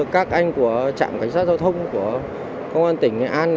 các anh của trạm cảnh sát giao thông của công an tỉnh nghệ an